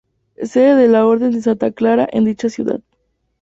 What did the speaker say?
Sede de la orden de Santa Clara en dicha ciudad.